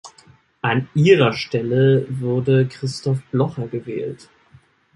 An ihrer Stelle wurde Christoph Blocher gewählt.